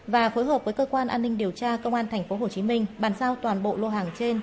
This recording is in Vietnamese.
và phối hợp với cơ quan an ninh điều tra công an tp hcm bàn giao toàn bộ lô hàng trên